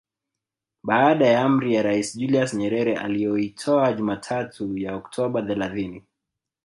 Baada ya amri ya Rais Julius Nyerere aliyoitoa Jumatatu ya Oktoba thelathini